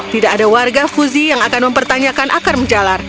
tidak ada warga fuzi yang akan mempertanyakan akar menjalar